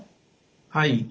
はい。